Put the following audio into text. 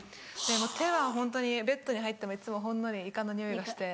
手はホントにベッドに入ってもいつもほんのりいかの匂いがして。